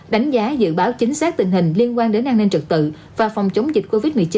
đến an ninh trực tự và phòng chống dịch covid một mươi chín